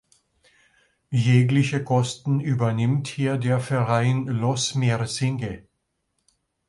Jegliche Kosten übernimmt hier der Verein Loss mer singe.